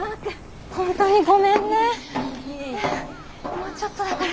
もうちょっとだから。